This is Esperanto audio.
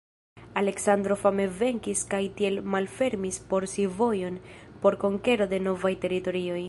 Aleksandro fame venkis kaj tiel malfermis por si vojon por konkero de novaj teritorioj.